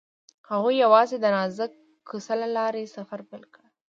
هغوی یوځای د نازک کوڅه له لارې سفر پیل کړ.